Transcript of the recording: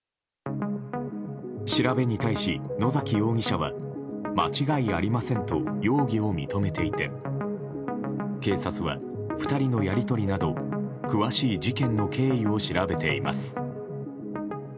調べに対し、野崎容疑者は間違いありませんと容疑を認めていて警察は２人のやり取りなど詳しい事件の経緯を調べています。